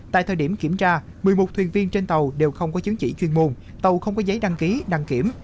tại thời điểm kiểm tra một mươi một thuyền viên trên tàu đều không có chứng chỉ chuyên môn tàu không có giấy đăng ký đăng kiểm